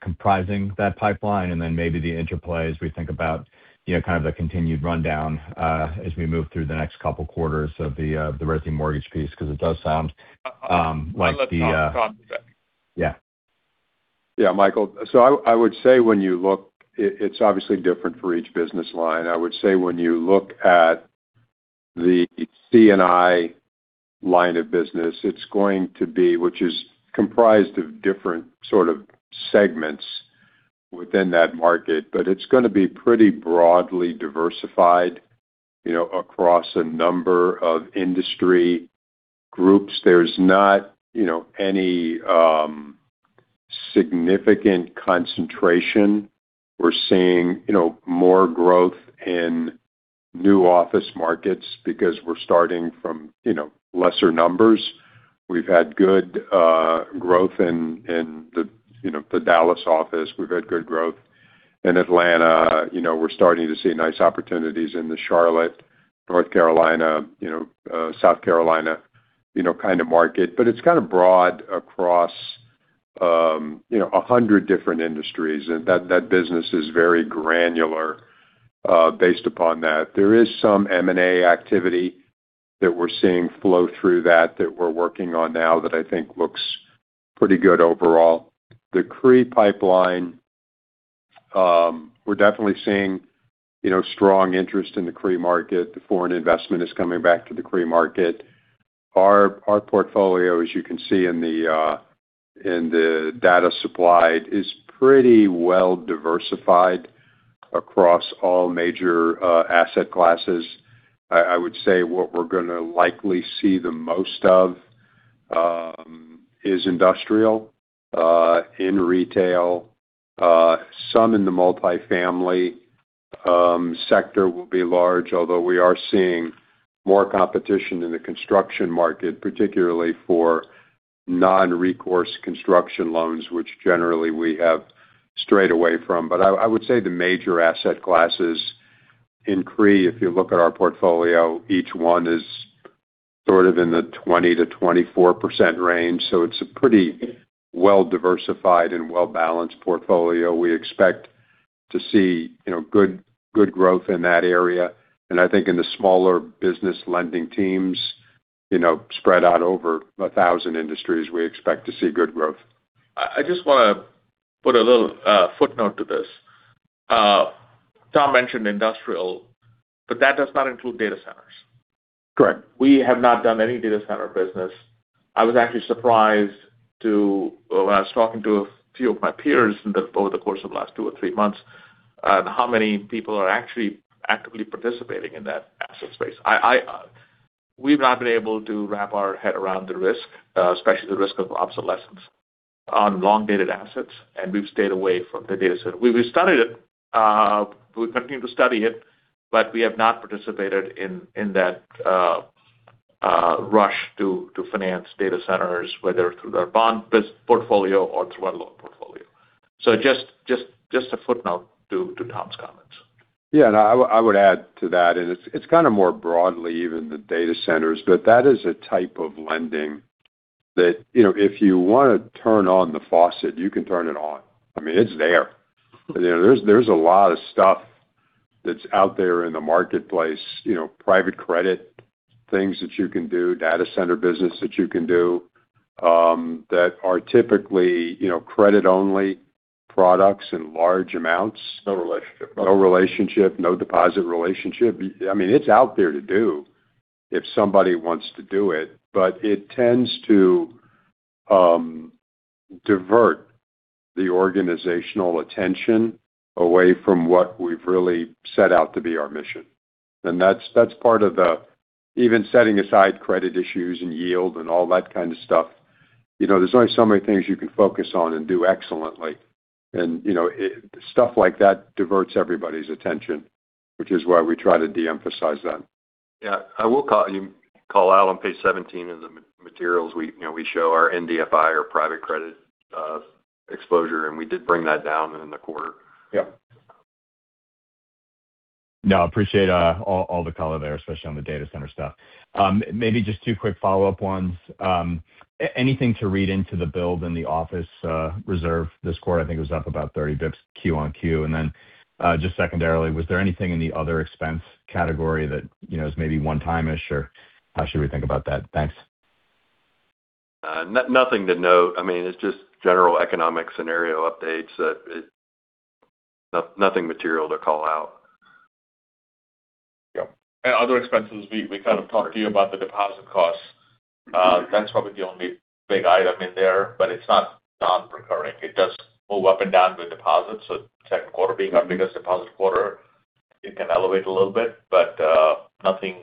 comprising that pipeline and then maybe the interplay as we think about kind of the continued rundown as we move through the next couple quarters of the resi mortgage piece? Because it does sound like the- I'll let Tom talk to that. Yeah. Yeah, Michael. I would say when you look, it's obviously different for each business line. I would say when you look at the C&I line of business, it's going to be, which is comprised of different sort of segments within that market, but it's going to be pretty broadly diversified across a number of industry groups. There's not any significant concentration. We're seeing more growth in new office markets because we're starting from lesser numbers. We've had good growth in the Dallas office. We've had good growth in Atlanta. We're starting to see nice opportunities in the Charlotte, North Carolina, South Carolina kind of market. It's kind of broad across 100 different industries, and that business is very granular based upon that. There is some M&A activity that we're seeing flow through that we're working on now that I think looks pretty good overall. The CRE pipeline, we're definitely seeing strong interest in the CRE market. The foreign investment is coming back to the CRE market. Our portfolio, as you can see in the data supplied, is pretty well diversified across all major asset classes. I would say what we're going to likely see the most of is industrial in retail. Some in the multifamily sector will be large, although we are seeing more competition in the construction market, particularly for non-recourse construction loans, which generally we have strayed away from. I would say the major asset classes in CRE, if you look at our portfolio, each one is sort of in the 20%-24% range. It's a pretty well-diversified and well-balanced portfolio. We expect to see good growth in that area, and I think in the smaller business lending teams spread out over 1,000 industries, we expect to see good growth. I just want to put a little footnote to this. Tom mentioned industrial, but that does not include data centers. Correct. We have not done any data center business. I was actually surprised too when I was talking to a few of my peers over the course of the last two or three months how many people are actually actively participating in that asset space. We've not been able to wrap our head around the risk, especially the risk of obsolescence on long-dated assets, and we've stayed away from the data center. We studied it. We continue to study it, but we have not participated in that rush to finance data centers, whether through their bond portfolio or through our loan portfolio. Just a footnote to Tom's comments. I would add to that, it's kind of more broadly even than data centers. That is a type of lending that if you want to turn on the faucet, you can turn it on. I mean, it's there. There's a lot of stuff that's out there in the marketplace, private credit things that you can do, data center business that you can do, that are typically credit-only products in large amounts. No relationship products. No relationship, no deposit relationship. I mean, it's out there to do if somebody wants to do it. It tends to divert the organizational attention away from what we've really set out to be our mission. That's part of even setting aside credit issues and yield and all that kind of stuff, there's only so many things you can focus on and do excellently. Stuff like that diverts everybody's attention, which is why we try to de-emphasize that. Yeah. I will call out on page 17 in the materials we show our NDFI or private credit exposure, we did bring that down in the quarter. Yeah. No, appreciate all the color there, especially on the data center stuff. Maybe just two quick follow-up ones. Anything to read into the build in the office reserve this quarter? I think it was up about 30 basis points Q-on-Q. Just secondarily, was there anything in the other expense category that is maybe one-time-ish, or how should we think about that? Thanks. Nothing to note. It's just general economic scenario updates. Nothing material to call out. Yeah. Other expenses, we kind of talked to you about the deposit costs. That's probably the only big item in there, but it's not non-recurring. It does move up and down with deposits. Tech quarter being our biggest deposit quarter, it can elevate a little bit, but nothing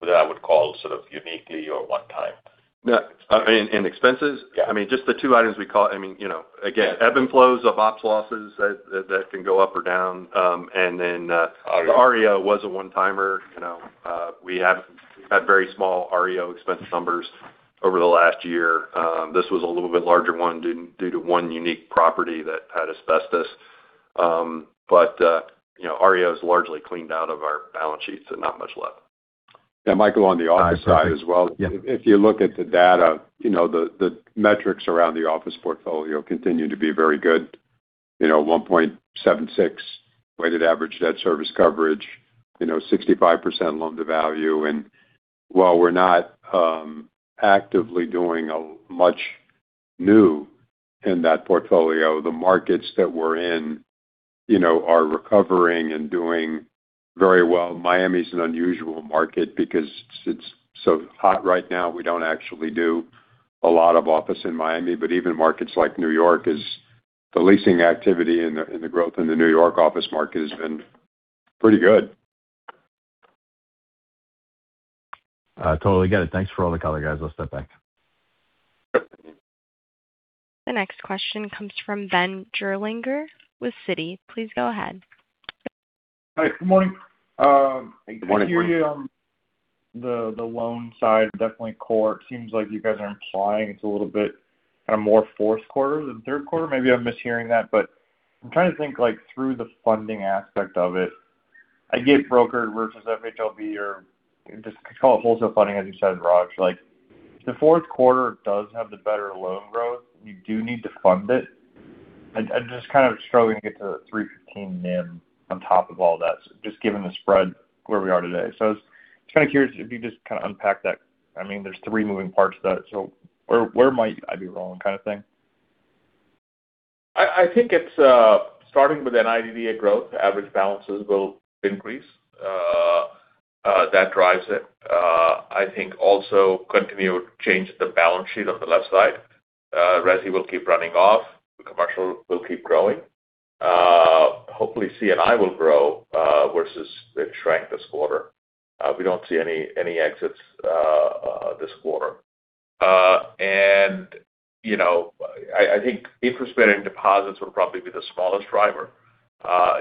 that I would call sort of uniquely or one time. No. In expenses, just the two items we call, again, ebb and flows of ops losses that can go up or down. The REO was a one-timer. We have had very small REO expense numbers over the last year. This was a little bit larger one due to one unique property that had asbestos. REO is largely cleaned out of our balance sheets, so not much left. Michael, on the office side as well. If you look at the data, the metrics around the office portfolio continue to be very good. 1.76 weighted average debt service coverage, 65% loan to value. While we're not actively doing much new in that portfolio, the markets that we're in are recovering and doing very well. Miami's an unusual market because it's so hot right now. We don't actually do a lot of office in Miami, even markets like New York is the leasing activity and the growth in the New York office market has been pretty good. Totally get it. Thanks for all the color, guys. I'll step back. The next question comes from Ben Gerlinger with Citigroup. Please go ahead. Hi, good morning. Good morning. I hear you on the loan side, definitely core. It seems like you guys are implying it's a little bit kind of more fourth quarter than third quarter. Maybe I'm mishearing that, but I'm trying to think like through the funding aspect of it. I get brokered versus FHLB or just call it wholesale funding, as you said, Raj. Like the fourth quarter does have the better loan growth, and you do need to fund it. I'm just kind of struggling to get to the 3.15% NIM on top of all that, just given the spread where we are today. I was just kind of curious if you just kind of unpack that. There's three moving parts to that, where might I be wrong kind of thing? I think it's starting with NIDDA growth, average balances will increase. That drives it. I think also continued change the balance sheet on the left side. Resi will keep running off. The commercial will keep growing. Hopefully C&I will grow versus it shrank this quarter. We don't see any exits this quarter. I think interest spending deposits will probably be the smallest driver,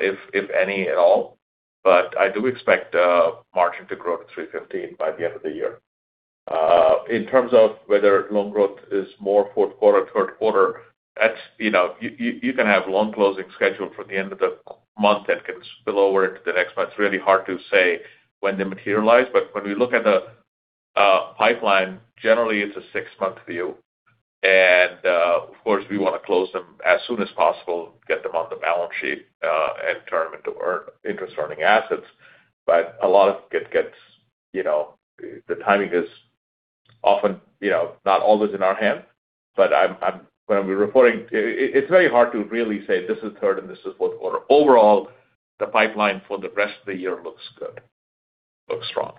if any at all. I do expect margin to grow to 3.15% by the end of the year. In terms of whether loan growth is more fourth quarter, third quarter, you can have loan closing scheduled for the end of the month that gets spill over into the next month. It's really hard to say when they materialize, but when we look at the pipeline, generally it's a six-month view. Of course, we want to close them as soon as possible, get them on the balance sheet, and turn them into interest-earning assets. A lot of it gets the timing is often not always in our hands, but when we're reporting, it's very hard to really say this is third and this is fourth quarter. Overall, the pipeline for the rest of the year looks good, looks strong.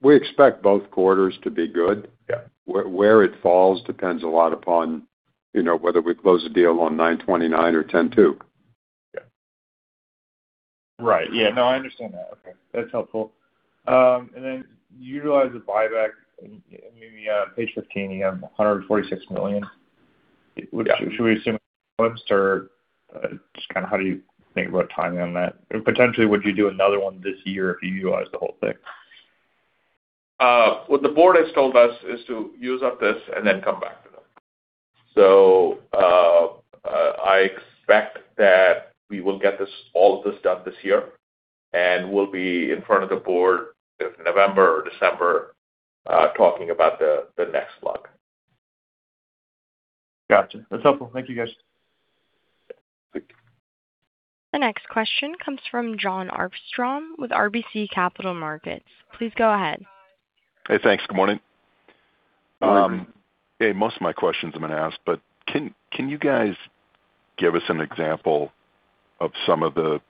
We expect both quarters to be good. Yeah. Where it falls depends a lot upon whether we close a deal on 9/29 or 10/2. Right. Yeah, no, I understand that. Okay, that's helpful. Then utilize the buyback, maybe on page 15, you have $146 million. Yeah. Should we assume or just kind of how do you think about timing on that? Potentially, would you do another one this year if you utilize the whole thing? What the board has told us is to use up this and then come back to them. I expect that we will get all of this done this year, and we'll be in front of the board November or December talking about the next block. Got you. That's helpful. Thank you, guys. Yeah. Thank you. The next question comes from Jon Arfstrom with RBC Capital Markets. Please go ahead. Hey, thanks. Good morning. Good morning. Hey, most of my questions have been asked, can you guys give us an example of some of the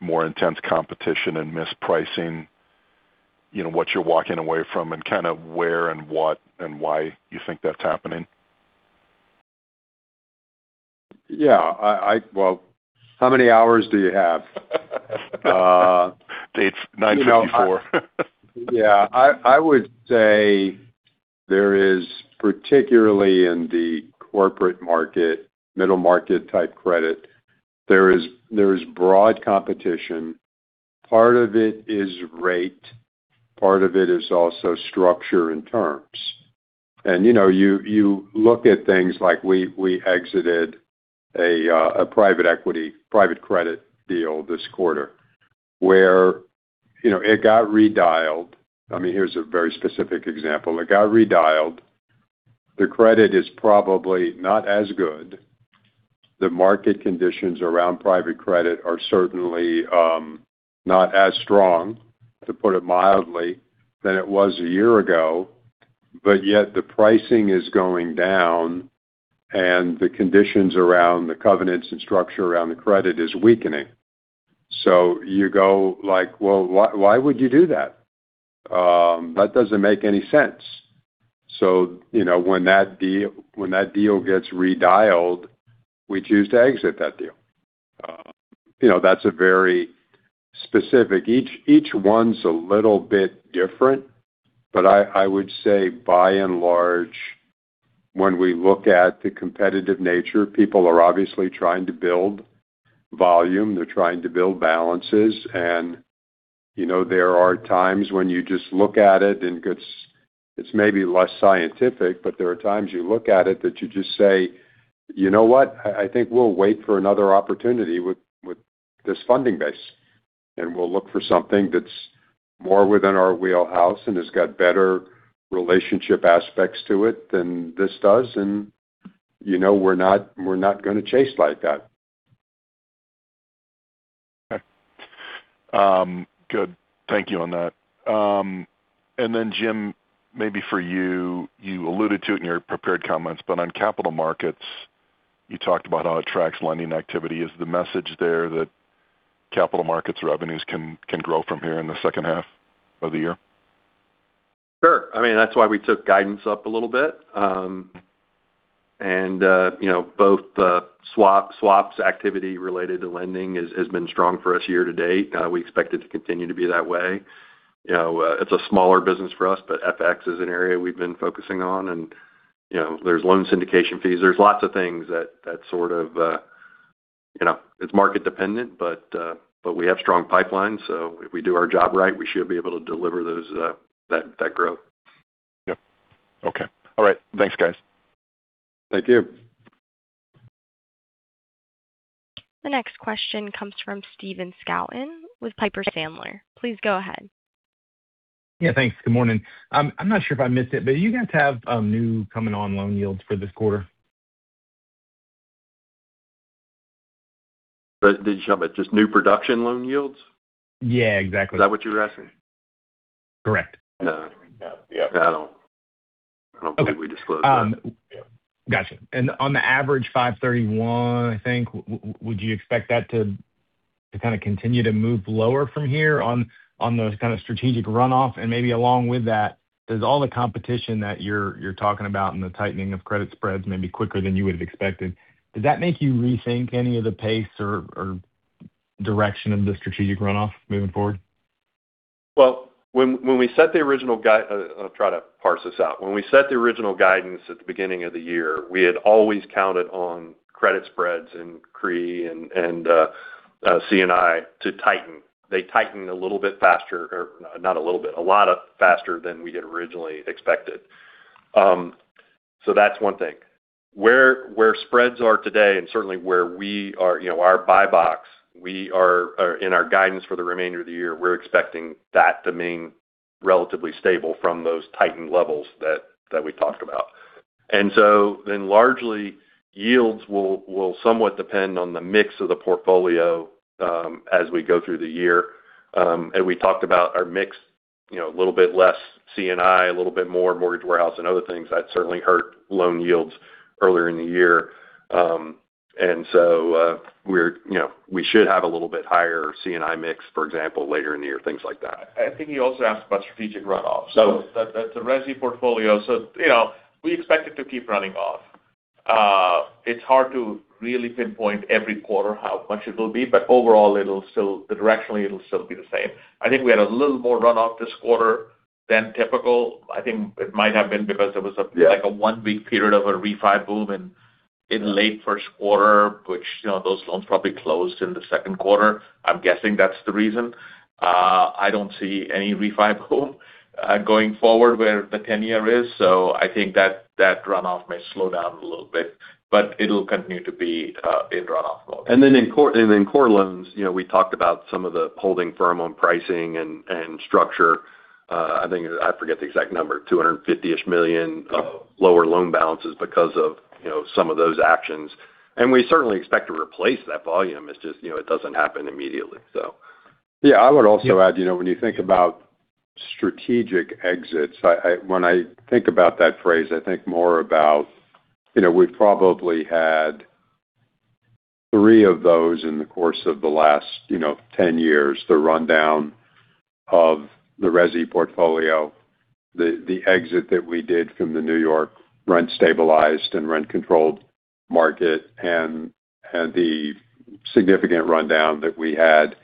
more intense competition and mispricing, what you're walking away from, and kind of where and what and why you think that's happening? Yeah. Well, how many hours do you have? It's 9:24 A.M. Yeah. I would say there is, particularly in the corporate market, middle market type credit, there is broad competition. Part of it is rate, part of it is also structure and terms. You look at things like we exited a private equity, private credit deal this quarter where it got redialed. I mean, here's a very specific example. It got redialed. The credit is probably not as good. The market conditions around private credit are certainly not as strong, to put it mildly, than it was a year ago, yet the pricing is going down and the conditions around the covenants and structure around the credit is weakening. You go like, "Well, why would you do that? That doesn't make any sense." When that deal gets redialed, we choose to exit that deal. Each one's a little bit different, I would say by and large, when we look at the competitive nature, people are obviously trying to build volume. They're trying to build balances. There are times when you just look at it, and it's maybe less scientific, but there are times you look at it that you just say, "You know what? I think we'll wait for another opportunity with this funding base. We'll look for something that's more within our wheelhouse and has got better relationship aspects to it than this does, and we're not going to chase like that. Okay. Good. Thank you on that. Then Jim, maybe for you alluded to it in your prepared comments, but on capital markets, you talked about how it tracks lending activity. Is the message there that capital markets revenues can grow from here in the second half of the year? Sure. I mean, that's why we took guidance up a little bit. Both the swaps activity related to lending has been strong for us year to date. We expect it to continue to be that way. It's a smaller business for us, but FX is an area we've been focusing on. There's loan syndication fees. There's lots of things that it's market dependent, but we have strong pipelines, so if we do our job right, we should be able to deliver that growth. Yep. Okay. All right. Thanks, guys. Thank you. The next question comes from Stephen Scouten with Piper Sandler. Please go ahead. Yeah, thanks. Good morning. I'm not sure if I missed it, but do you guys have new coming on loan yields for this quarter? Did you have just new production loan yields? Yeah, exactly. Is that what you're asking? Correct. No. No. Yep. No, I don't. I don't believe we disclosed that. Okay. Got you. On the average 531, I think, would you expect that to kind of continue to move lower from here on those kind of strategic runoff? Maybe along with that, does all the competition that you're talking about and the tightening of credit spreads maybe quicker than you would've expected, does that make you rethink any of the pace or direction of the strategic runoff moving forward? Well, I'll try to parse this out. When we set the original guidance at the beginning of the year, we had always counted on credit spreads and CRE and C&I to tighten. They tightened a little bit faster, or not a little bit, a lot of faster than we had originally expected. That's one thing. Where spreads are today and certainly where we are, our buy box, in our guidance for the remainder of the year, we're expecting that to remain relatively stable from those tightened levels that we talked about. Largely, yields will somewhat depend on the mix of the portfolio as we go through the year. We talked about our mix, a little bit less C&I, a little bit more mortgage warehouse and other things that certainly hurt loan yields earlier in the year. We should have a little bit higher C&I mix, for example, later in the year, things like that. I think he also asked about strategic runoff. That resi portfolio. We expect it to keep running off. It's hard to really pinpoint every quarter how much it'll be, but overall, directionally it'll still be the same. I think we had a little more runoff this quarter than typical. I think it might have been because there was. Yeah like a one-week period of a refi boom in late first quarter, which those loans probably closed in the second quarter. I'm guessing that's the reason. I don't see any refi boom going forward where the 10-year is, I think that runoff may slow down a little bit. It'll continue to be in runoff mode. In core loans, we talked about some of the holding firm on pricing and structure. I forget the exact number, $250-ish million of lower loan balances because of some of those actions. We certainly expect to replace that volume. It's just it doesn't happen immediately. Yeah. I would also add when you think about strategic exits, when I think about that phrase, I think more about we've probably had three of those in the course of the last 10 years. The rundown of the resi portfolio, the exit that we did from the New York rent-stabilized and rent-controlled market, and the significant rundown that we had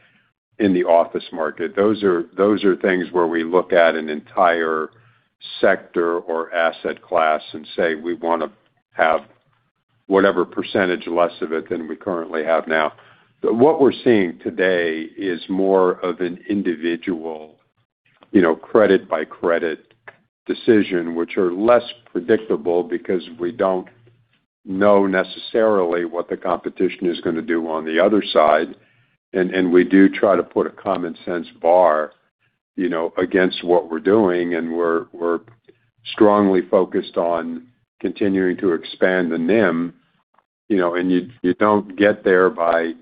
in the office market. Those are things where we look at an entire sector or asset class and say we want to have whatever percentage less of it than we currently have now. What we're seeing today is more of an individual credit-by-credit decision, which are less predictable because we don't know necessarily what the competition is going to do on the other side. We do try to put a common sense bar against what we're doing, and we're strongly focused on continuing to expand the NIM. You don't get there by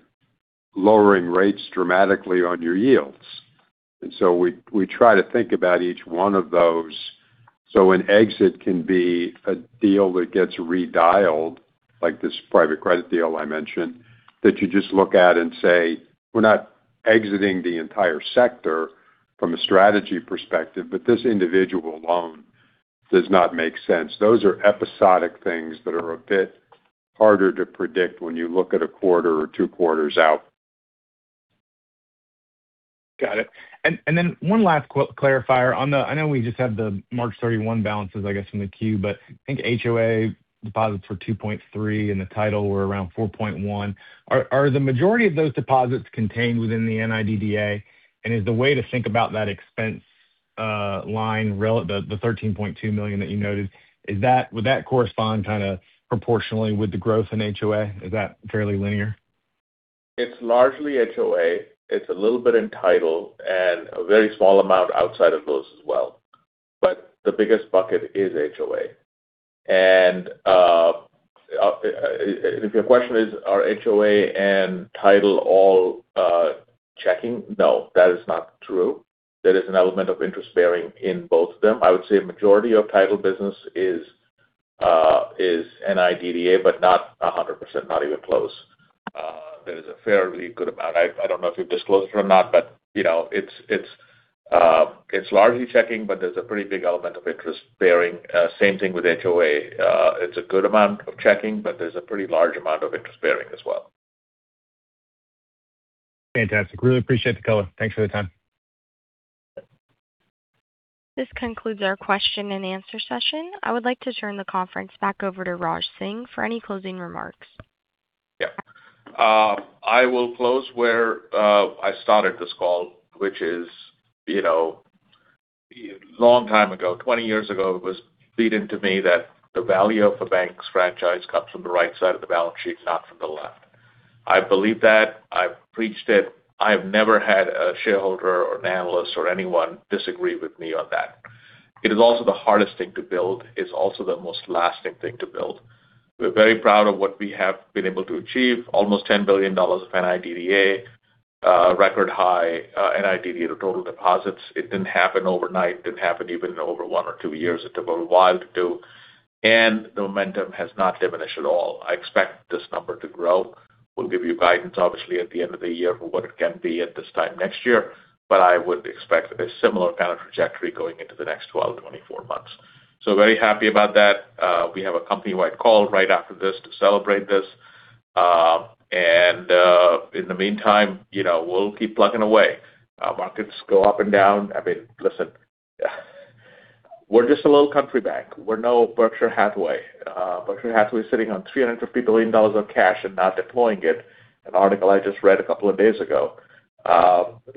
lowering rates dramatically on your yields. We try to think about each one of those. An exit can be a deal that gets redialed, like this private credit deal I mentioned, that you just look at and say, "We're not exiting the entire sector from a strategy perspective, but this individual loan does not make sense." Those are episodic things that are a bit harder to predict when you look at a quarter or two quarters out. Got it. One last clarifier. I know we just had the March 31 balances, I guess, from the Q, but I think HOA deposits were $2.3 and the title were around $4.1. Are the majority of those deposits contained within the NIDDA? Is the way to think about that expense line, the $13.2 million that you noted, would that correspond kind of proportionally with the growth in HOA? Is that fairly linear? It's largely HOA. It's a little bit in title and a very small amount outside of those as well. The biggest bucket is HOA. If your question is, are HOA and title all checking? No, that is not true. There is an element of interest bearing in both of them. I would say a majority of title business is NIDDA, but not 100%, not even close. There is a fairly good amount. I don't know if you've disclosed it or not, but it's largely checking, but there's a pretty big element of interest bearing. Same thing with HOA. It's a good amount of checking, but there's a pretty large amount of interest bearing as well. Fantastic. Really appreciate the color. Thanks for the time. This concludes our question and answer session. I would like to turn the conference back over to Raj Singh for any closing remarks. Yeah. I will close where I started this call, which is, a long time ago, 20 years ago, it was beaten into me that the value of a bank's franchise comes from the right side of the balance sheet, not from the left. I believe that. I've preached it. I have never had a shareholder or an analyst or anyone disagree with me on that. It is also the hardest thing to build. It's also the most lasting thing to build. We're very proud of what we have been able to achieve. Almost $10 billion of NIDDA, a record high NIDDA to total deposits. It didn't happen overnight, didn't happen even over one or two years. It took a while to do, and the momentum has not diminished at all. I expect this number to grow. We'll give you guidance, obviously, at the end of the year for what it can be at this time next year. I would expect a similar kind of trajectory going into the next 12 to 24 months. Very happy about that. We have a company-wide call right after this to celebrate this. In the meantime we'll keep plugging away. Markets go up and down. I mean, listen, we're just a little country bank. We're no Berkshire Hathaway. Berkshire Hathaway is sitting on $350 billion of cash and not deploying it, an article I just read a couple of days ago.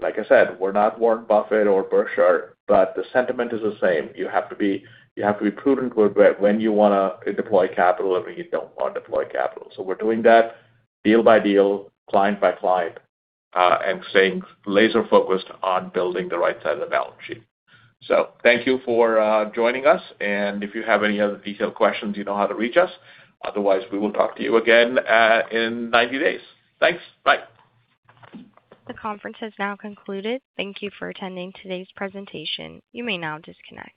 Like I said, we're not Warren Buffett or Berkshire, but the sentiment is the same. You have to be prudent with when you want to deploy capital and when you don't want to deploy capital. We're doing that deal by deal, client by client, and staying laser-focused on building the right side of the balance sheet. Thank you for joining us, and if you have any other detailed questions, you know how to reach us. Otherwise, we will talk to you again in 90 days. Thanks. Bye. The conference has now concluded. Thank you for attending today's presentation. You may now disconnect.